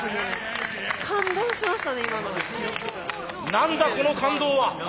何だこの感動は。